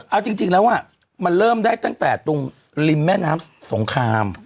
เอาจริงแล้วมันเริ่มได้ตั้งแต่ตรงริมแม่น้ำสงคราม